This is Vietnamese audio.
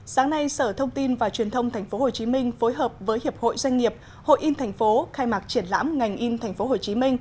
sáng nay sở thông tin và truyền thông tp hcm phối hợp với hiệp hội doanh nghiệp hội in thành phố khai mạc triển lãm ngành in tp hcm